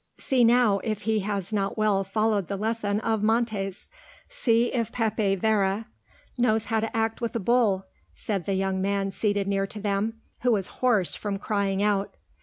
"See now if he has not well followed the lesson of Montés! See if Pepe Vera knows how to act with the bull!" said the young man seated near to them, who was hoarse from crying out.